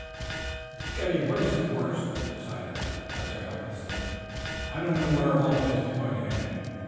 "It's getting worse and worse," decided the Professor helplessly. "I don't know where all this is going to end.